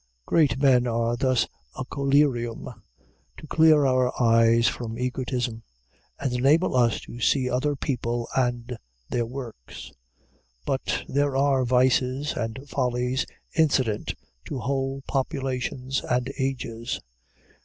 Great men are thus a collyrium to clear our eyes from egotism, and enable us to see other people and their works. But there are vices and follies incident to whole populations and ages.